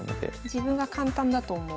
自分が簡単だと思う。